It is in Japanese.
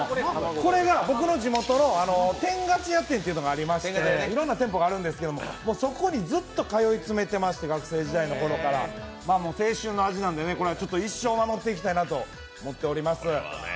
これが僕の地元の天下茶屋店というところがありまして、いろんな店舗があるんですけれども、そこにずっと通い詰めてまして学生時代の頃から、青春の味なんで一生守っていきたいなと思っております。